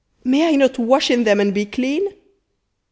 may I not wash in them, and be clean?